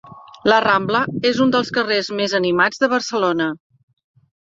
La Rambla és un dels carrers més animats de Barcelona.